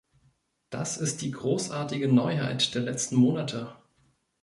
Das ist die großartige Neuheit der letzten Monate.